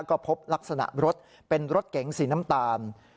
ก็พบลักษณะรถเป็นรถเก๋งสีน้ำตาล